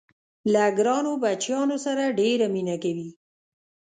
له ګرانو بچیانو سره ډېره مینه کوي.